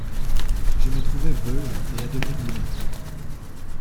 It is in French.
Je me trouvai veuve et à demi ruinée.